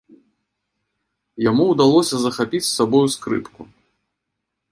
Яму ўдалося захапіць з сабою скрыпку.